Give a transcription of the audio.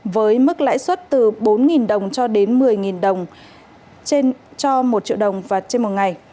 với mức lãi suất từ bốn đồng cho đến một mươi đồng cho một triệu đồng và trên một ngày